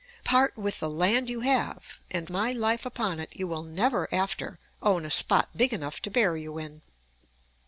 Part with the land you have, and, my life upon it, you will never after own a spot big enough to bury you in.